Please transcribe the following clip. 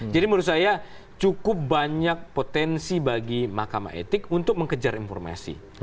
jadi menurut saya cukup banyak potensi bagi mahkamah etik untuk mengejar informasi